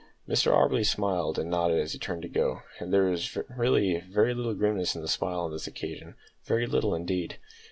Mr Auberly smiled and nodded as he turned to go, and there was really very little grimness in the smile on this occasion very little indeed!